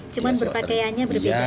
cuma berpakaiannya berbeda